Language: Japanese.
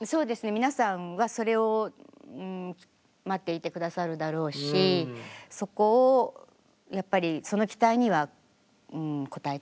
皆さんはそれを待っていてくださるだろうしそこをやっぱりその期待には応えたいっていう気持ちでしたね。